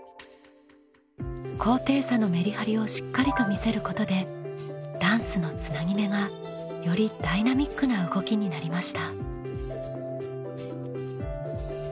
高低差のメリハリをしっかりと見せることでダンスのつなぎ目がよりダイナミックな動きになりました。